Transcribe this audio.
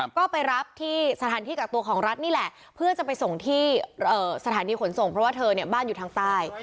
ก็ไปรับที่สถานที่กักตัวของรัฐนี่แหละเพื่อจะไปส่งที่สถานีขนส่งเพราะว่าเธอเนี่ยบ้านอยู่ทางใต้